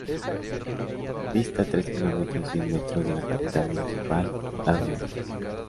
Dista tres kilómetros cien metros de la capital municipal, La Vega.